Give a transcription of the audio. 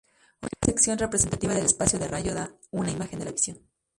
Una sección representativa del espacio del rayo da una imagen de la visión.